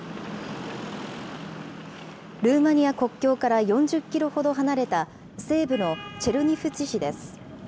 ルーマニア国境から４０キロほど離れた、西部のチェルニフツィ市です。